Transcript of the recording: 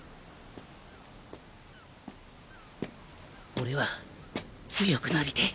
俺は強くなりてぇ。